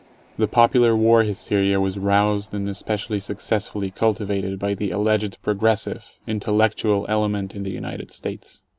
The popular war hysteria was roused and especially successfully cultivated by the alleged progressive, "intellectual" element in the United States.